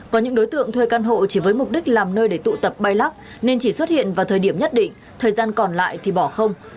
có những đối tượng thuê căn hộ chỉ với mục đích làm nơi để tụ tập bay lắc nên chỉ xuất hiện vào thời điểm nhất định thời gian còn lại thì bỏ không